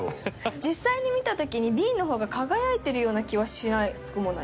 実際に見た時にＢの方が輝いてるような気はしなくもないですね。